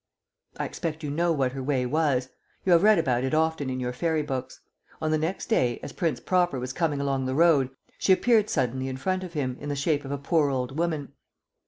I expect you know what her way was. You have read about it often in your fairy books. On the next day, as Prince Proper was coming along the road, she appeared suddenly in front of him in the shape of a poor old woman.